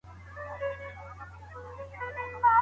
ولي هڅاند سړی د مستحق سړي په پرتله موخي ترلاسه کوي؟